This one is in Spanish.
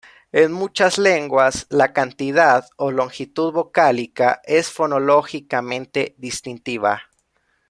En muchas lenguas, la cantidad o longitud vocálica es fonológicamente distintiva.